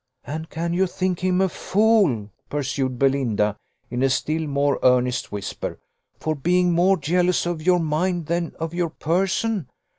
"And can you think him a fool," pursued Belinda, in a still more earnest whisper, "for being more jealous of your mind than of your person?